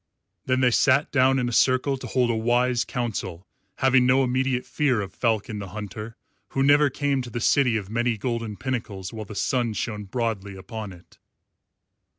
Then they sat down in a circle to hold a wise council, having no immediate fear of Falcon the Hunter, who never came to the city of many golden pinnacles while the sun shone broadly upon it.